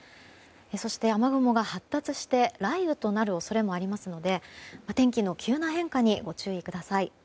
そして、雨雲が発達して雷雨となる恐れもありますので天気の急な変化にご注意ください。